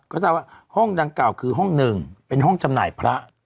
ก็ทราบว่าห้องดังกล่าวคือห้องหนึ่งเป็นห้องจำหน่ายพระ